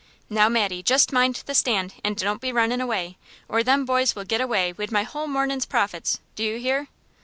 "Now, Mattie, just mind the stand, and don't be runnin' away, or them boys will get away wid my whole mornin's profits. Do you hear?"